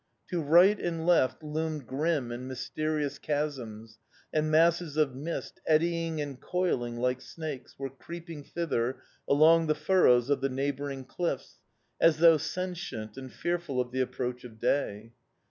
To right and left loomed grim and mysterious chasms, and masses of mist, eddying and coiling like snakes, were creeping thither along the furrows of the neighbouring cliffs, as though sentient and fearful of the approach of day.